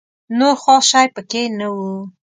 نور خاص شی په کې نه و.